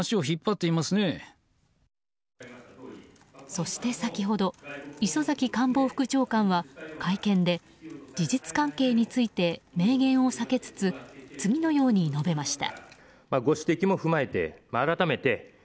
そして先ほど磯崎官房副長官は会見で事実関係について明言を避けつつ次のように述べました。